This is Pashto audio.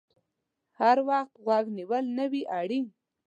هر وخت غوږ نیول نه وي اړین